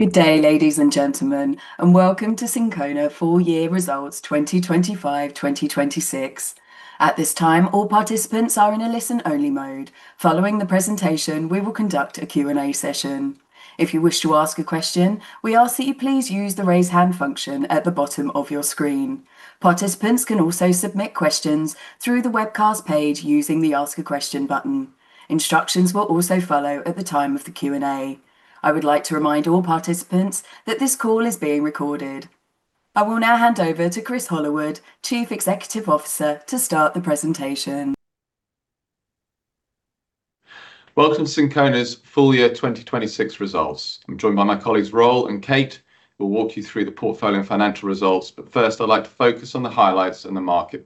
Good day, ladies and gentlemen, and welcome to Syncona full year results 2025/2026. At this time, all participants are in a listen-only mode. Following the presentation, we will conduct a Q&A session. If you wish to ask a question, we ask that you please use the raise hand function at the bottom of your screen. Participants can also submit questions through the webcast page using the Ask a Question button. Instructions will also follow at the time of the Q&A. I would like to remind all participants that this call is being recorded. I will now hand over to Chris Hollowood, Chief Executive Officer, to start the presentation. Welcome to Syncona's full year 2026 results. I am joined by my colleagues, Rolf and Kate, who will walk you through the portfolio and financial results. First, I would like to focus on the highlights and the market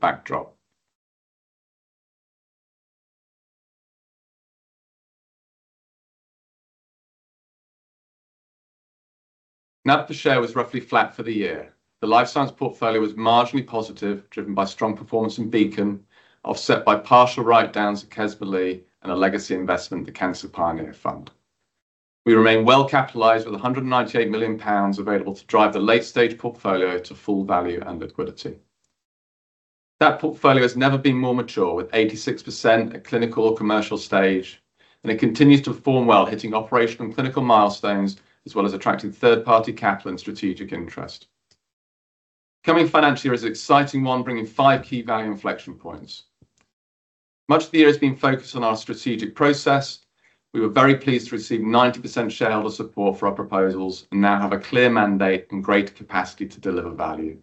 backdrop. NAV per share was roughly flat for the year. The life science portfolio was marginally positive, driven by strong performance in Beacon, offset by partial write-downs at Kesmalea and a legacy investment, the CRT Pioneer Fund. We remain well-capitalized with 198 million pounds available to drive the late-stage portfolio to full value and liquidity. That portfolio has never been more mature, with 86% at clinical commercial stage, and it continues to perform well, hitting operational clinical milestones as well as attracting third-party capital and strategic interest. The coming financial year is an exciting one, bringing five Key Value Inflection Points. Much of the year has been focused on our strategic process. We were very pleased to receive 90% shareholder support for our proposals and now have a clear mandate and greater capacity to deliver value.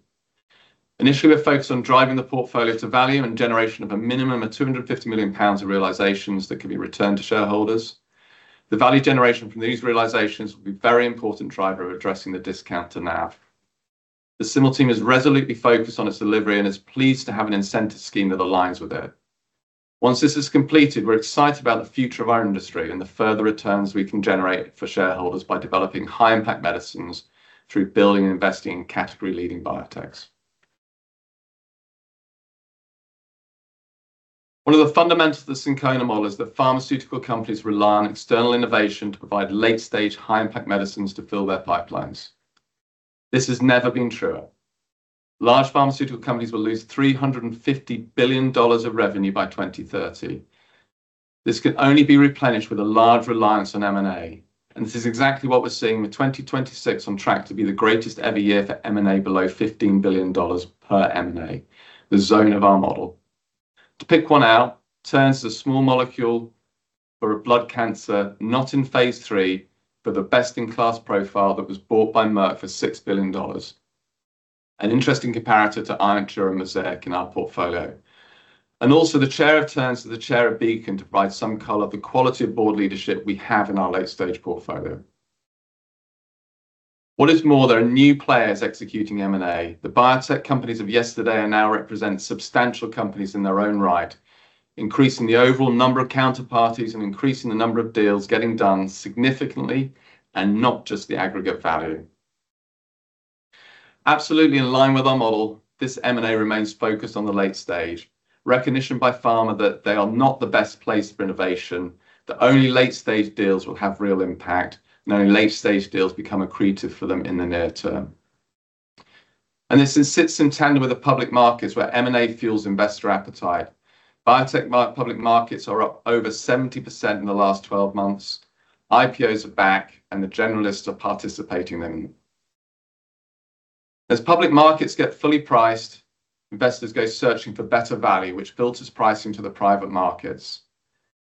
Initially, we are focused on driving the portfolio to value and generation of a minimum of 250 million pounds of realizations that can be returned to shareholders. The value generation from these realizations will be a very important driver of addressing the discount to NAV. The Syncona team is resolutely focused on its delivery and is pleased to have an incentive scheme that aligns with it. Once this is completed, we are excited about the future of our industry and the further returns we can generate for shareholders by developing high-impact medicines through building and investing in category-leading biotechs. One of the fundamentals of the Syncona model is that pharmaceutical companies rely on external innovation to provide late-stage, high-impact medicines to fill their pipelines. This has never been truer. Large pharmaceutical companies will lose GBP 350 billion of revenue by 2030. This can only be replenished with a large reliance on M&A, and this is exactly what we are seeing with 2026 on track to be the greatest ever year for M&A below GBP 15 billion per M&A, the zone of our model. To pick one out, Terns is a small molecule for a blood cancer not in phase III, but the best-in-class profile that was bought by Merck for GBP 6 billion. An interesting comparator to iOnctura and Mosaic in our portfolio. Also the chair of Terns to the chair of Beacon to provide some color of the quality of board leadership we have in our late-stage portfolio. What is more, there are new players executing M&A. The biotech companies of yesterday now represent substantial companies in their own right, increasing the overall number of counterparties and increasing the number of deals getting done significantly, not just the aggregate value. Absolutely in line with our model, this M&A remains focused on the late-stage. Recognition by pharma that they are not the best place for innovation, that only late-stage deals will have real impact, and only late-stage deals become accretive for them in the near term. This sits in tandem with the public markets where M&A fuels investor appetite. Biotech public markets are up over 70% in the last 12 months. IPOs are back, and the generalists are participating in them. As public markets get fully priced, investors go searching for better value, which builds its price into the private markets.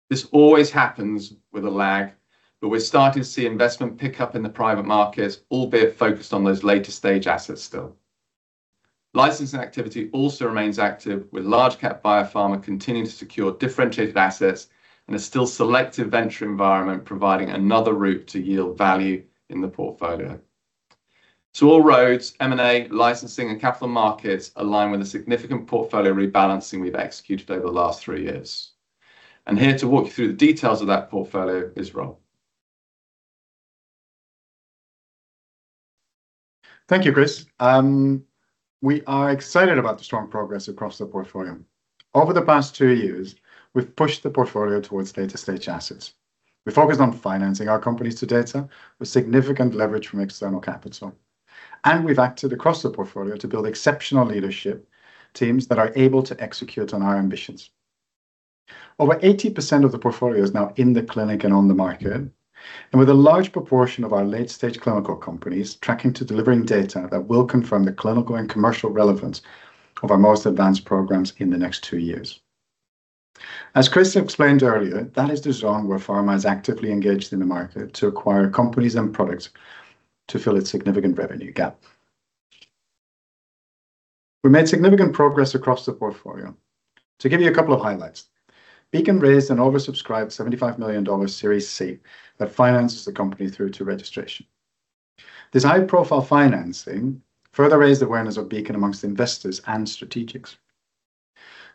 This always happens with a lag, but we are starting to see investment pick up in the private markets, albeit focused on those later-stage assets still. Licensing activity also remains active with large-cap biopharma continuing to secure differentiated assets and a still selective venture environment providing another route to yield value in the portfolio. All roads, M&A, licensing, and capital markets align with a significant portfolio rebalancing we have executed over the last three years. Here to walk you through the details of that portfolio is Rolf. Thank you, Chris. We are excited about the strong progress across the portfolio. Over the past two years, we have pushed the portfolio towards later-stage assets. We focused on financing our companies to data with significant leverage from external capital, and we have acted across the portfolio to build exceptional leadership teams that are able to execute on our ambitions. Over 80% of the portfolio is now in the clinic and on the market, and with a large proportion of our late-stage clinical companies tracking to delivering data that will confirm the clinical and commercial relevance of our most advanced programs in the next two years. As Chris explained earlier, that is the zone where pharma is actively engaged in the market to acquire companies and products to fill its significant revenue gap. We made significant progress across the portfolio. To give you a couple of highlights, Beacon raised an oversubscribed $75 million Series C that finances the company through to registration. This high-profile financing further raised awareness of Beacon amongst investors and strategics.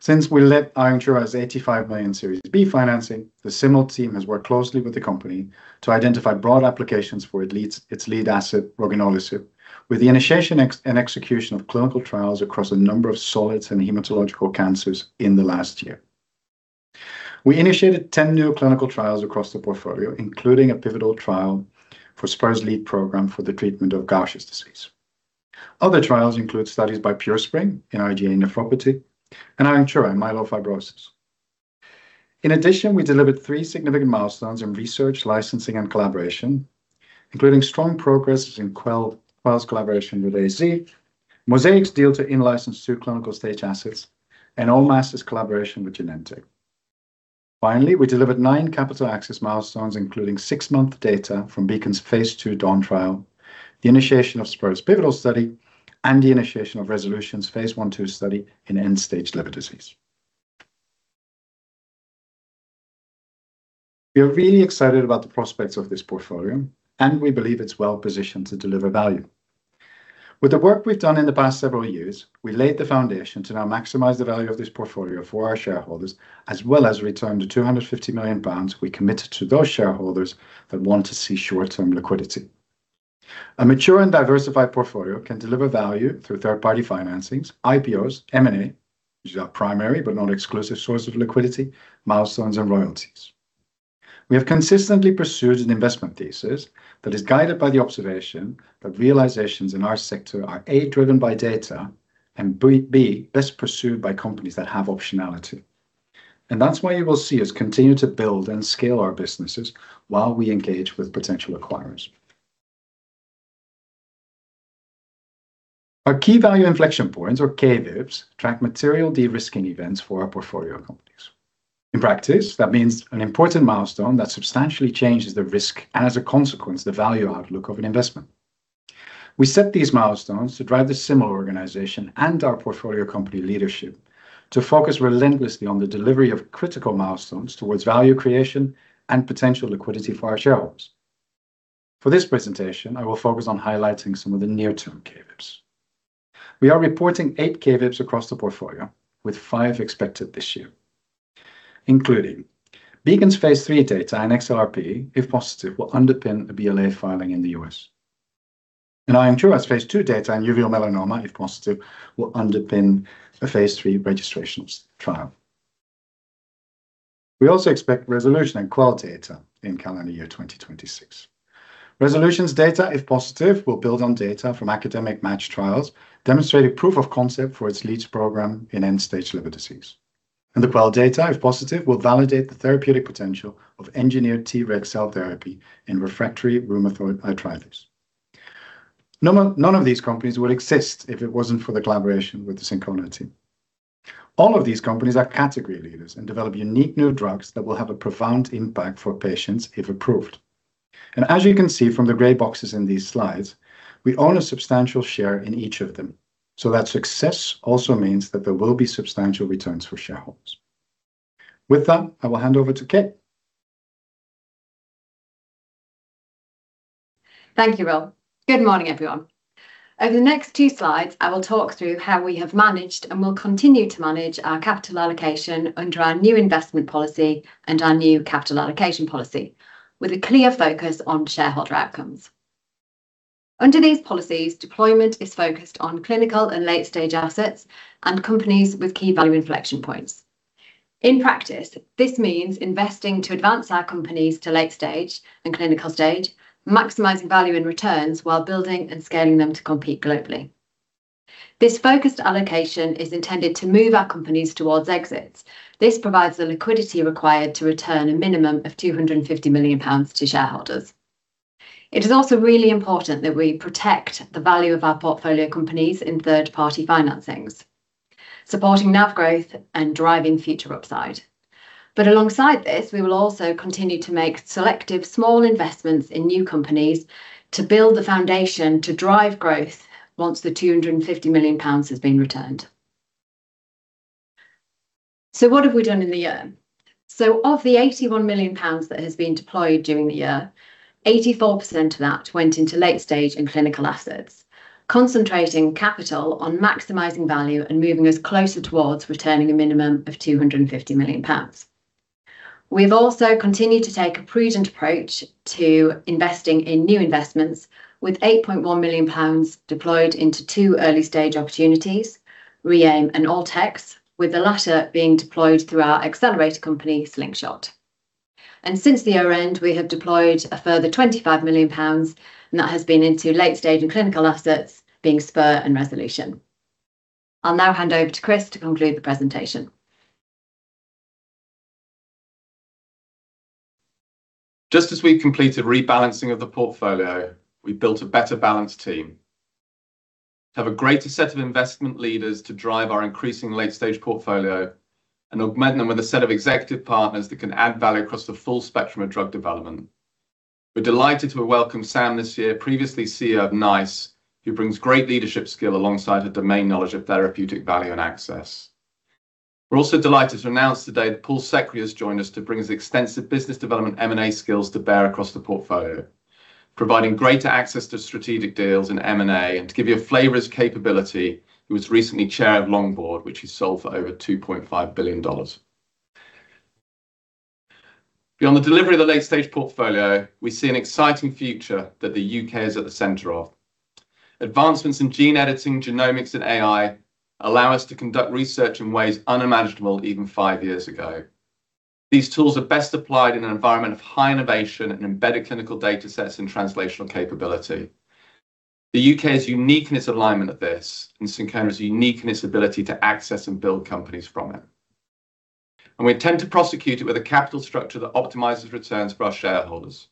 Since we led iOnctura's $85 million Series B financing, the Syncona team has worked closely with the company to identify broad applications for its lead asset, roginolisib, with the initiation and execution of clinical trials across a number of solids and hematological cancers in the last year. We initiated 10 new clinical trials across the portfolio, including a pivotal trial for Spur's lead program for the treatment of Gaucher's disease. Other trials include studies by Purespring in IgA nephropathy and iOnctura in myelofibrosis. In addition, we delivered three significant milestones in research, licensing, and collaboration, including strong progress in Quell's collaboration with AZ, Mosaic's deal to in-license two clinical-stage assets, and Almac's collaboration with Genentech. Finally, we delivered nine capital access milestones, including six-month data from Beacon's phase II DAWN trial, the initiation of Spur's pivotal study, and the initiation of Resolution's phase I/II study in end-stage liver disease. We are really excited about the prospects of this portfolio, and we believe it's well-positioned to deliver value. With the work we've done in the past several years, we laid the foundation to now maximize the value of this portfolio for our shareholders, as well as return the 250 million pounds we committed to those shareholders that want to see short-term liquidity. A mature and diversified portfolio can deliver value through third-party financings, IPOs, M&A, which is our primary but not exclusive source of liquidity, milestones, and royalties. We have consistently pursued an investment thesis that is guided by the observation that realizations in our sector are, A, driven by data and, B, best pursued by companies that have optionality. That's why you will see us continue to build and scale our businesses while we engage with potential acquirers. Our key value inflection points, or KVIPs, track material de-risking events for our portfolio companies. In practice, that means an important milestone that substantially changes the risk and, as a consequence, the value outlook of an investment. We set these milestones to drive the similar organization and our portfolio company leadership to focus relentlessly on the delivery of critical milestones towards value creation and potential liquidity for our shareholders. For this presentation, I will focus on highlighting some of the near-term KVIPs. We are reporting eight KVIPs across the portfolio, with five expected this year, including Beacon's phase III data in XLRP, if positive, will underpin a BLA filing in the U.S. iOnctura's phase II data in uveal melanoma, if positive, will underpin a phase III registration trial. We also expect Resolution and Quell data in calendar year 2026. Resolution's data, if positive, will build on data from academic MATCH trials, demonstrating proof of concept for its leads program in end-stage liver disease. The Quell data, if positive, will validate the therapeutic potential of engineered T-reg cell therapy in refractory rheumatoid arthritis. None of these companies will exist if it wasn't for the collaboration with the Syncona team. All of these companies are category leaders and develop unique new drugs that will have a profound impact for patients, if approved. As you can see from the gray boxes in these slides, we own a substantial share in each of them, so that success also means that there will be substantial returns for shareholders. With that, I will hand over to Kate. Thank you, Rolf. Good morning, everyone. Over the next two slides, I will talk through how we have managed and will continue to manage our capital allocation under our new investment policy and our new capital allocation policy, with a clear focus on shareholder outcomes. Under these policies, deployment is focused on clinical and late-stage assets and companies with Key Value Inflection Points. In practice, this means investing to advance our companies to late-stage and clinical-stage, maximizing value and returns while building and scaling them to compete globally. This focused allocation is intended to move our companies towards exits. This provides the liquidity required to return a minimum of 250 million pounds to shareholders. It is also really important that we protect the value of our portfolio companies in third-party financings, supporting NAV growth and driving future upside. Alongside this, we will also continue to make selective small investments in new companies to build the foundation to drive growth once the 250 million pounds has been returned. What have we done in the year? Of the 81 million pounds that has been deployed during the year, 84% of that went into late-stage and clinical assets, concentrating capital on maximizing value and moving us closer towards returning a minimum of 250 million pounds. We've also continued to take a prudent approach to investing in new investments, with 8.1 million pounds deployed into two early-stage opportunities, RIME and ALTx, with the latter being deployed through our accelerator company, Slingshot. Since the year-end, we have deployed a further 25 million pounds, and that has been into late-stage and clinical assets, being Spur and Resolution. I'll now hand over to Chris to conclude the presentation. Just as we completed rebalancing of the portfolio, we built a better balanced team, have a greater set of investment leaders to drive our increasing late-stage portfolio, and augment them with a set of executive partners that can add value across the full spectrum of drug development. We're delighted to have welcomed Sam this year, previously CEO of NICE, who brings great leadership skill alongside a domain knowledge of therapeutic value and access. We're also delighted to announce today that Paul Sekhri has joined us to bring his extensive business development M&A skills to bear across the portfolio, providing greater access to strategic deals and M&A. To give you a flavor of his capability, he was recently chair of Longboard, which he sold for over $2.5 billion. Beyond the delivery of the late-stage portfolio, we see an exciting future that the U.K. is at the center of. Advancements in gene editing, genomics, and AI allow us to conduct research in ways unimaginable even five years ago. These tools are best applied in an environment of high innovation and embedded clinical data sets and translational capability. The U.K.'s unique in its alignment of this, and Syncona is unique in its ability to access and build companies from it. We intend to prosecute it with a capital structure that optimizes returns for our shareholders.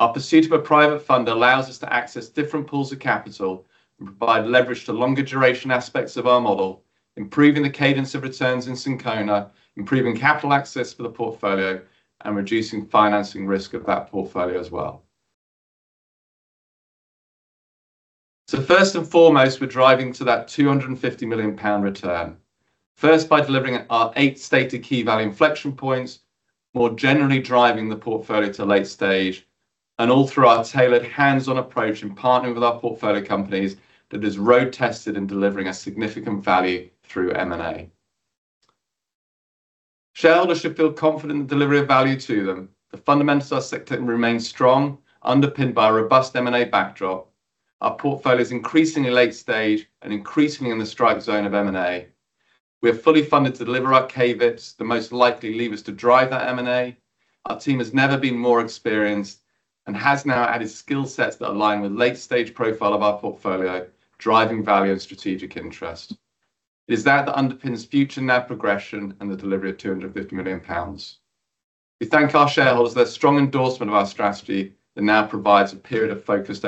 Our pursuit of a private fund allows us to access different pools of capital and provide leverage to longer duration aspects of our model, improving the cadence of returns in Syncona, improving capital access for the portfolio, and reducing financing risk of that portfolio as well. First and foremost, we're driving to that 250 million pound return. First, by delivering our eight stated Key Value Inflection Points, more generally driving the portfolio to late stage, and all through our tailored hands-on approach in partnering with our portfolio companies that is road-tested in delivering a significant value through M&A. Shareholders should feel confident in the delivery of value to them. The fundamentals of our sector remain strong, underpinned by a robust M&A backdrop. Our portfolio is increasingly late stage and increasingly in the strike zone of M&A. We are fully funded to deliver our KVIPs, the most likely levers to drive that M&A. Our team has never been more experienced and has now added skill sets that align with late-stage profile of our portfolio, driving value and strategic interest. It is that that underpins future NAV progression and the delivery of 250 million pounds. We thank our shareholders for their strong endorsement of our strategy that now provides a period of focused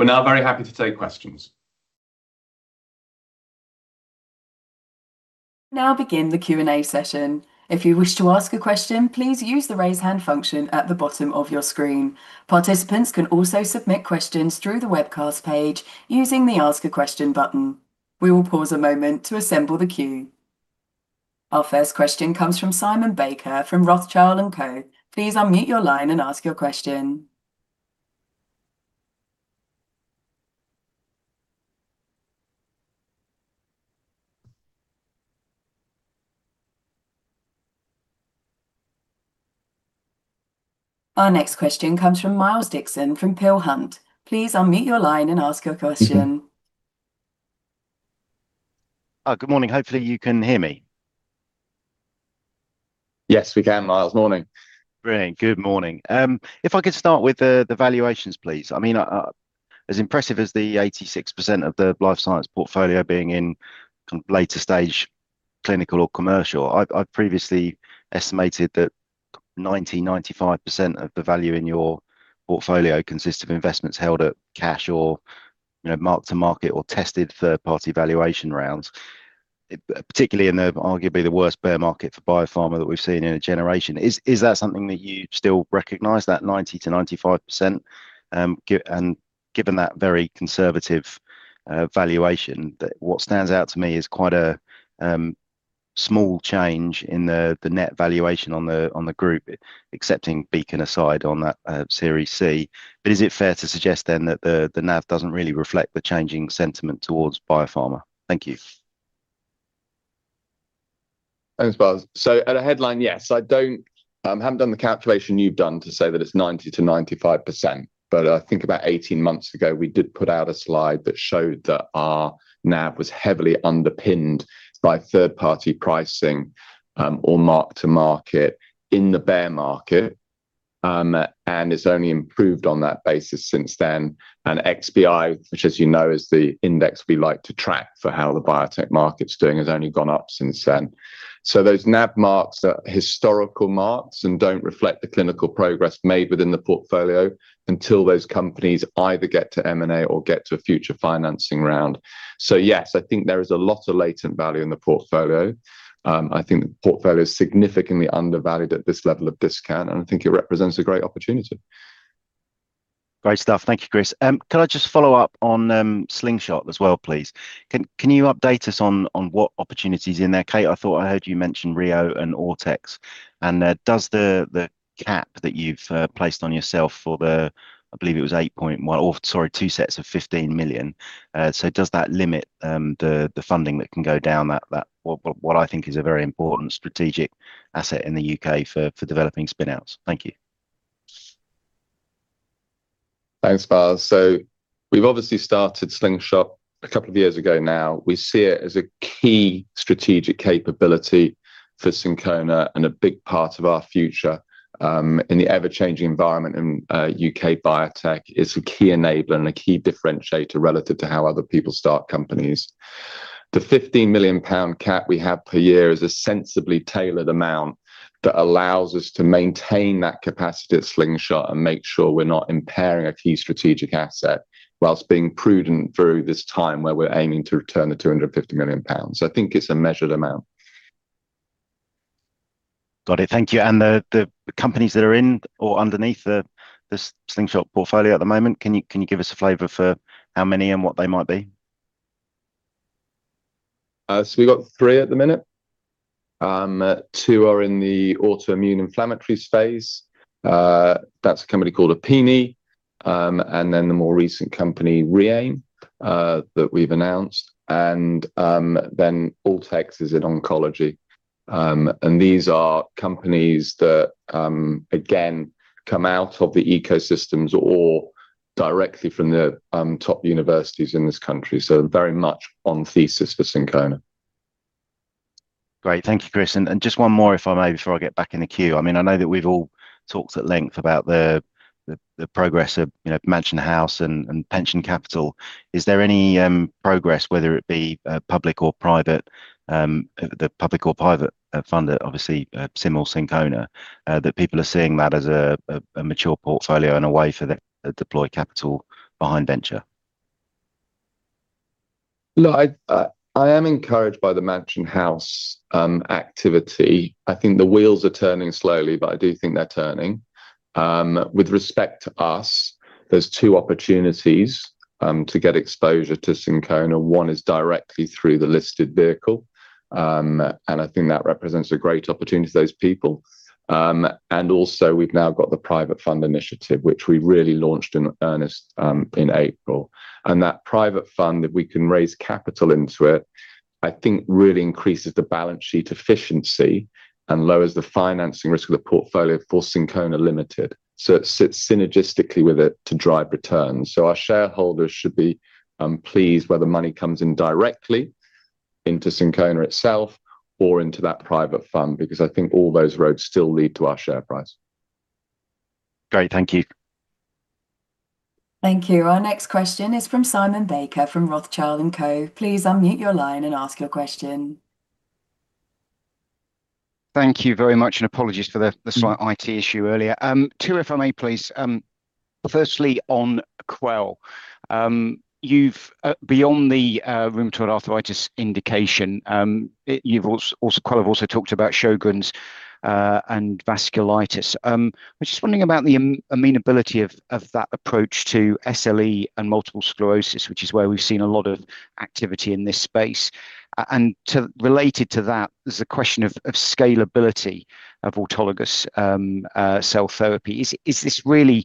execution. We are now very happy to take questions. Now begin the Q&A session. If you wish to ask a question, please use the raise hand function at the bottom of your screen. Participants can also submit questions through the webcast page using the Ask a Question button. We will pause a moment to assemble the queue. Our first question comes from Simon Baker from Rothschild & Co. Please unmute your line and ask your question. Our next question comes from Miles Dixon from Peel Hunt. Please unmute your line and ask your question. Good morning. Hopefully, you can hear me. Yes, we can, Miles. Morning. Brilliant. Good morning. If I could start with the valuations, please. As impressive as the 86% of the life science portfolio being in later stage clinical or commercial, I previously estimated that 90%, 95% of the value in your portfolio consists of investments held at cash or mark-to-market or tested third-party valuation rounds, particularly in arguably the worst bear market for biopharma that we've seen in a generation. Is that something that you still recognize, that 90%-95%? Given that very conservative valuation, what stands out to me is quite a small change in the net valuation on the group, excepting Beacon aside on that Series C. Is it fair to suggest then that the NAV doesn't really reflect the changing sentiment towards biopharma? Thank you. Thanks, Miles. At a headline, yes. I haven't done the calculation you've done to say that it's 90%-95%, but I think about 18 months ago, we did put out a slide that showed that our NAV was heavily underpinned by third-party pricing or mark-to-market in the bear market, and it's only improved on that basis since then. XBI, which as you know is the index we like to track for how the biotech market's doing, has only gone up since then. Those NAV marks are historical marks and don't reflect the clinical progress made within the portfolio until those companies either get to M&A or get to a future financing round. Yes, I think there is a lot of latent value in the portfolio. I think the portfolio is significantly undervalued at this level of discount, and I think it represents a great opportunity. Great stuff. Thank you, Chris. Can I just follow up on Slingshot as well, please? Can you update us on what opportunity is in there? Kate, I thought I heard you mention Rio and Autolus. Does the cap that you've placed on yourself for the, I believe it was 8.1 or, sorry, two sets of 15 million. Does that limit the funding that can go down that, what I think is a very important strategic asset in the U.K. for developing spin-outs? Thank you. Thanks, Miles. We've obviously started Slingshot a couple of years ago now. We see it as a key strategic capability for Syncona and a big part of our future in the ever-changing environment in U.K. biotech. It's a key enabler and a key differentiator relative to how other people start companies. The 15 million pound cap we have per year is a sensibly tailored amount that allows us to maintain that capacity at Slingshot and make sure we're not impairing a key strategic asset whilst being prudent through this time where we're aiming to return the 250 million pounds. I think it's a measured amount. Got it. Thank you. The companies that are in or underneath the Slingshot portfolio at the moment, can you give us a flavor for how many and what they might be? We got three at the minute. Two are in the autoimmune inflammatory space. That's a company called Apini Therapeutics. The more recent company, RIME Therapeutics, that we've announced, ALTx Therapeutics is in oncology. These are companies that, again, come out of the ecosystems or directly from the top universities in this country, very much on thesis for Syncona. Great. Thank you, Chris. Just one more, if I may, before I get back in the queue. I know that we've all talked at length about the progress of Mansion House and Pension Capital. Is there any progress, whether it be public or private, the public or private fund at obviously Syncona or Syncona, that people are seeing that as a mature portfolio and a way for them to deploy capital behind venture? Look, I am encouraged by the Mansion House activity. I think the wheels are turning slowly, but I do think they're turning. With respect to us, there's two opportunities to get exposure to Syncona. One is directly through the listed vehicle. I think that represents a great opportunity to those people. Also, we've now got the private fund initiative, which we really launched in earnest in April. That private fund, if we can raise capital into it, I think really increases the balance sheet efficiency and lowers the financing risk of the portfolio for Syncona Limited. It sits synergistically with it to drive returns. Our shareholders should be pleased whether money comes in directly into Syncona itself or into that private fund, because I think all those roads still lead to our share price. Great. Thank you. Thank you. Our next question is from Simon Baker from Rothschild & Co. Please unmute your line and ask your question. Thank you very much. Apologies for the slight IT issue earlier. Two, if I may please. Firstly, on Quell. Beyond the rheumatoid arthritis indication, Quell have also talked about Sjögren's and vasculitis. I'm just wondering about the amenability of that approach to SLE and multiple sclerosis, which is where we've seen a lot of activity in this space. Related to that, there's a question of scalability of autologous cell therapy.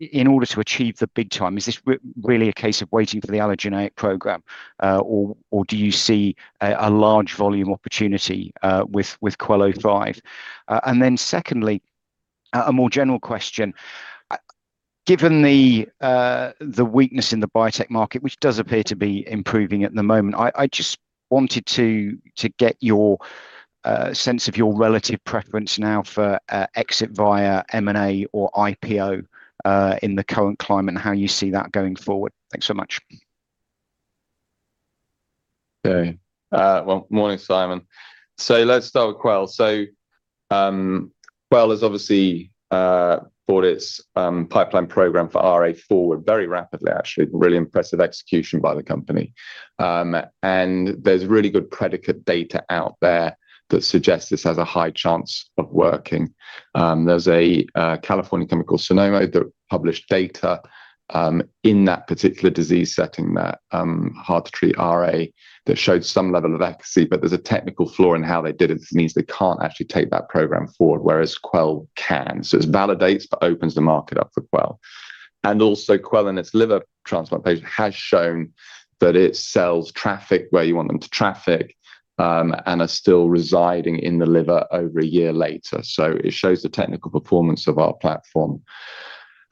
In order to achieve the big time, is this really a case of waiting for the allogeneic program, or do you see a large volume opportunity with QEL-005? Then secondly, a more general question. Given the weakness in the biotech market, which does appear to be improving at the moment, I just wanted to get your sense of your relative preference now for exit via M&A or IPO in the current climate, and how you see that going forward. Thanks so much. Okay. Well, morning, Simon. Let's start with Quell. Quell has obviously brought its pipeline program for RA forward very rapidly, actually. Really impressive execution by the company. There's really good predicate data out there that suggests this has a high chance of working. There's a California company called Sonoma that published data in that particular disease setting there, hard-to-treat RA, that showed some level of efficacy, but there's a technical flaw in how they did it that means they can't actually take that program forward, whereas Quell can. It validates but opens the market up for Quell. Also Quell in its liver transplant patient has shown that its cells traffic where you want them to traffic, and are still residing in the liver over a year later. It shows the technical performance of our platform.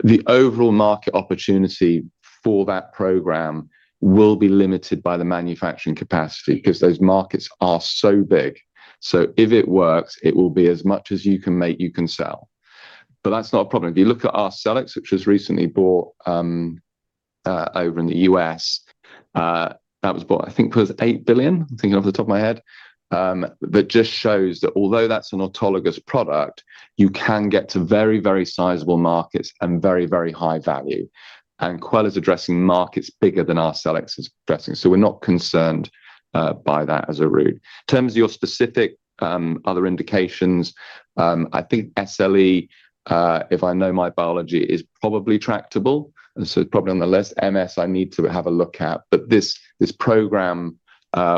The overall market opportunity for that program will be limited by the manufacturing capacity because those markets are so big. If it works, it will be as much as you can make, you can sell. That's not a problem. If you look at Cellectis, which was recently bought over in the U.S., that was bought I think for $8 billion, I'm thinking off the top of my head. That just shows that although that's an autologous product, you can get to very, very sizable markets and very, very high value. Quell is addressing markets bigger than our Cellectis is addressing. We're not concerned by that as a route. In terms of your specific other indications, I think SLE, if I know my biology, is probably tractable, probably on the list. MS, I need to have a look at. This program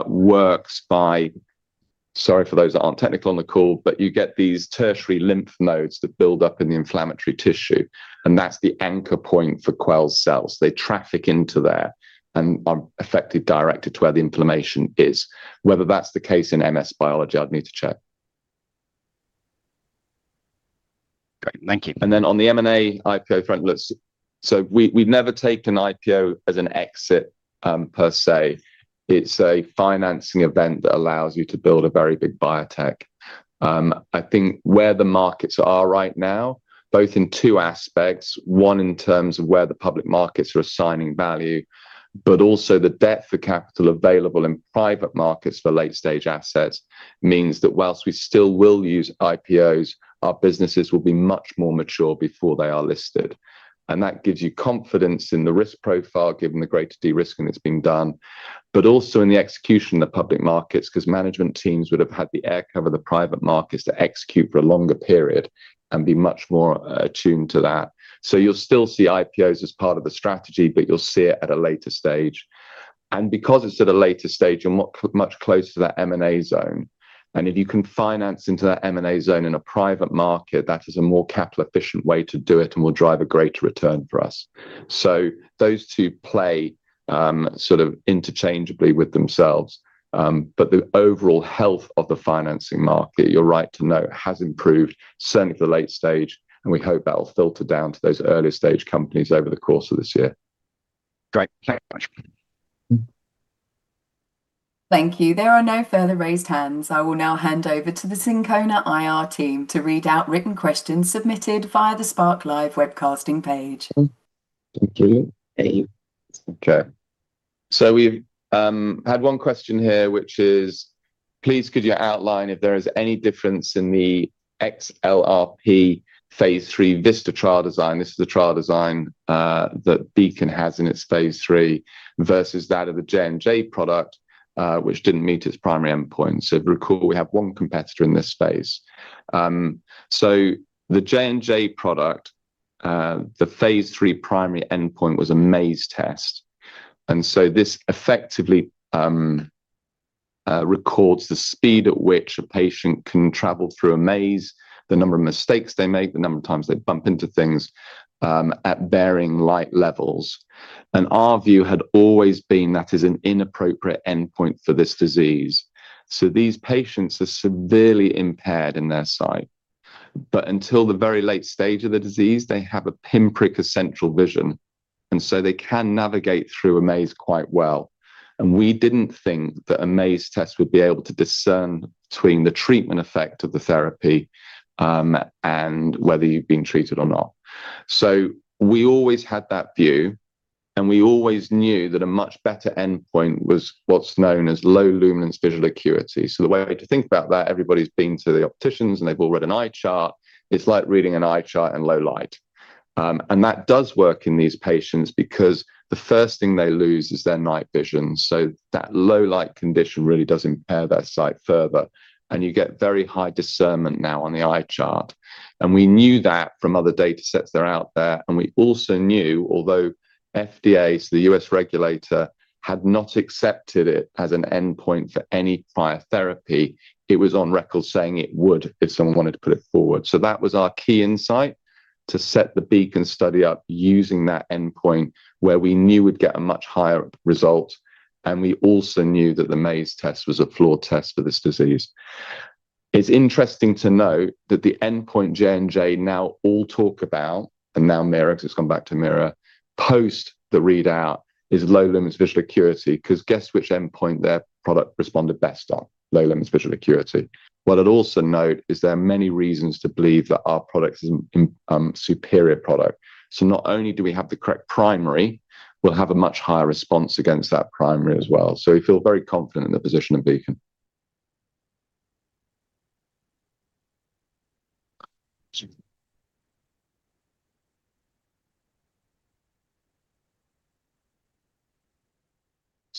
works by, sorry for those that aren't technical on the call, you get these tertiary lymph nodes that build up in the inflammatory tissue, that's the anchor point for Quell's cells. They traffic into there and are effectively directed to where the inflammation is. Whether that's the case in MS biology, I'd need to check. Great. Thank you. On the M&A IPO front, we've never taken IPO as an exit per se. It's a financing event that allows you to build a very big biotech. I think where the markets are right now, both in two aspects, one in terms of where the public markets are assigning value, but also the depth of capital available in private markets for late-stage assets means that whilst we still will use IPOs, our businesses will be much more mature before they are listed. That gives you confidence in the risk profile, given the greater de-risking that's been done, but also in the execution of the public markets because management teams would have had the air cover of the private markets to execute for a longer period and be much more attuned to that. You'll still see IPOs as part of the strategy, but you'll see it at a later stage. Because it's at a later stage, you're much closer to that M&A zone. If you can finance into that M&A zone in a private market, that is a more capital efficient way to do it and will drive a greater return for us. Those two play sort of interchangeably with themselves. The overall health of the financing market, you're right to note, has improved, certainly for late stage, and we hope that'll filter down to those early-stage companies over the course of this year. Great. Thank you very much. Thank you. There are no further raised hands. I will now hand over to the Syncona IR team to read out written questions submitted via the Spark Live webcasting page. Thank you. Okay. We've had one question here, which is, "Please could you outline if there is any difference in the XLRP phase III VISTA trial design?" This is the trial design that Beacon has in its phase III versus that of the J&J product, which didn't meet its primary endpoint. If you recall, we have one competitor in this phase. The J&J product, the phase III primary endpoint was a maze test, and this effectively records the speed at which a patient can travel through a maze, the number of mistakes they make, the number of times they bump into things at varying light levels. Our view had always been that is an inappropriate endpoint for this disease. These patients are severely impaired in their sight. Until the very late stage of the disease, they have a pinprick of central vision, and they can navigate through a maze quite well. We didn't think that a maze test would be able to discern between the treatment effect of the therapy, and whether you've been treated or not. We always had that view, and we always knew that a much better endpoint was what's known as low luminance visual acuity. The way to think about that, everybody's been to the opticians, and they've all read an eye chart. It's like reading an eye chart in low light. That does work in these patients because the first thing they lose is their night vision. That low light condition really does impair their sight further, and you get very high discernment now on the eye chart. We knew that from other data sets that are out there. We also knew, although FDA, so the U.S. regulator, had not accepted it as an endpoint for any prior therapy, it was on record saying it would if someone wanted to put it forward. That was our key insight, to set the Beacon study up using that endpoint where we knew we'd get a much higher result, and we also knew that the maze test was a flawed test for this disease. It's interesting to note that the endpoint J&J now all talk about, and now MeiraGTx, because it's gone back to MeiraGTx, post the readout is low luminance visual acuity, because guess which endpoint their product responded best on? Low luminance visual acuity. What I'd also note is there are many reasons to believe that our product is a superior product. Not only do we have the correct primary, we'll have a much higher response against that primary as well. We feel very confident in the position of Beacon.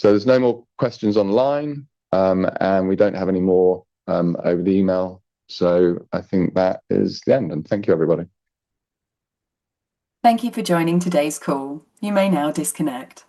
There's no more questions online, and we don't have any more over the email. I think that is the end, and thank you everybody. Thank you for joining today's call. You may now disconnect.